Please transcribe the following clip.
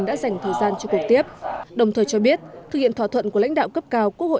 đã dành thời gian cho cuộc tiếp đồng thời cho biết thực hiện thỏa thuận của lãnh đạo cấp cao quốc hội